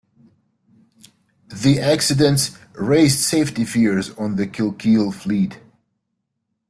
The accidents raised safety fears on the Kilkeel fleet.